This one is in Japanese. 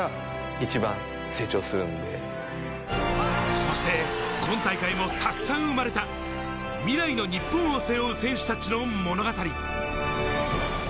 そして今大会もたくさん生まれた、未来の日本を背負う選手たちの物語。